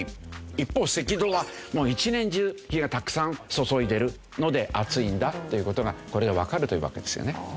一方赤道は１年中日がたくさん注いでいるので暑いんだっていう事がこれでわかるというわけですよね。